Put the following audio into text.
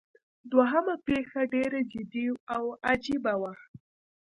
دوهمه پیښه ډیره جدي او عجیبه وه.